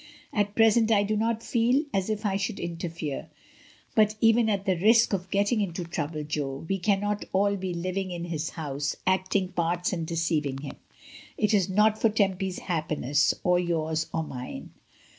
At present I do not feel as if I could inter fere. But even at the risk of getting into trouble, Jo, we cannot all be living in his house, acting parts and deceiving him. It is not for Tempy's happiness or yours or mine."